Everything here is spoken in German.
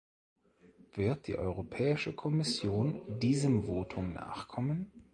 Wird die Europäische Kommission diesem Votum nachkommen?